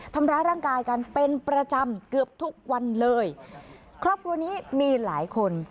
ทำร้ายร่างกายกันเป็นประจำเกือบทุกวันเลยครอบครัวนี้มีหลายคน